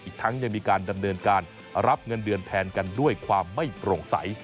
ทั้งยังมีการดำเนินการรับเงินเดือนแทนกันด้วยความไม่โปร่งใส